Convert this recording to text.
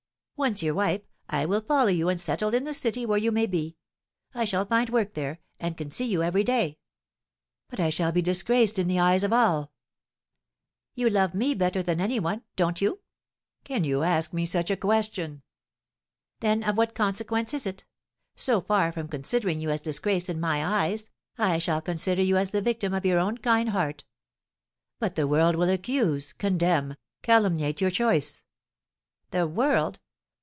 "Once your wife, I will follow you and settle in the city where you may be. I shall find work there, and can see you every day." "But I shall be disgraced in the eyes of all." "You love me better than any one don't you?" "Can you ask me such a question?" "Then of what consequence is it? So far from considering you as disgraced in my eyes, I shall consider you as the victim of your own kind heart." "But the world will accuse, condemn, calumniate your choice." "The world!